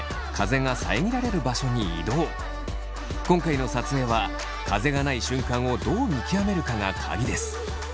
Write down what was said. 今回の撮影は風がない瞬間をどう見極めるかが鍵です。